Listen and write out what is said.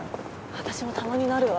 私もたまになるわ。